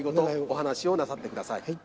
お話をなさってください。